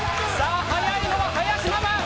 速いのは林ママ。